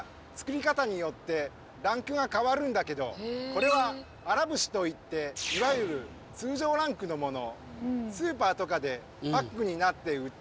これは「荒節」といっていわゆる通常ランクのもの。